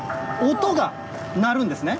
音が鳴るんですね。